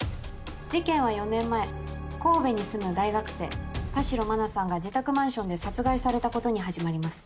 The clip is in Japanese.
事件は４年前神戸に住む大学生田代真菜さんが自宅マンションで殺害されたことに始まります。